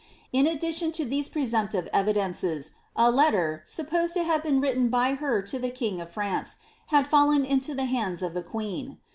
In addition to these presumptive evidences, a letter, supposed to have been written by her to the king of France, had fallen into the hands of tlie queen.